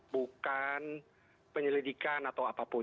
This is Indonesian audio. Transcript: bukan penyelidikan atau apapun